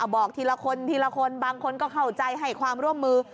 บอกทีละคนทีละคนบางคนก็เข้าใจให้ความร่วมมือ